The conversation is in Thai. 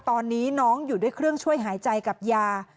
ตอนนี้น้องอยู่ด้วยเครื่องช่วยหายใจกับยา